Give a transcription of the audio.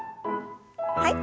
はい。